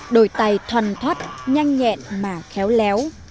đôi tay thoằn thoát nhanh nhẹn mà khéo léo